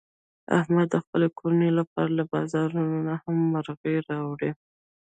احمد د خپلې کورنۍ لپاره له بازانونه نه هم مرغۍ راوړي.